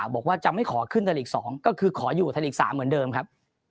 บอกว่าจะไม่ขอขึ้นไทยลีก๒ก็คือขออยู่ไทยลีก๓เหมือนเดิมครับ